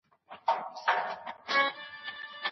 امام ماوردي رحمه الله په دې اړه څه فرمايلي دي؟